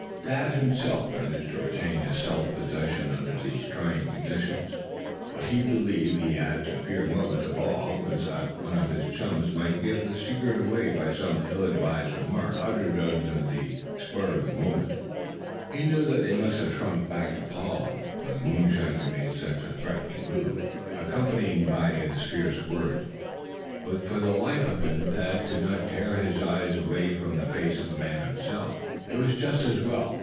THAD himself managed to retain his self possession under these trying conditions. What he believed he had to fear most of all, was that one of his chums might give the secret away by some ill advised remark, uttered under the spur of the moment. He knew that they must have shrunk back, appalled, when the moonshiner made such a threatening move, accompanying his fierce words. But for the life of him Thad could not tear his eyes away from the face of the man himself. It was just as well.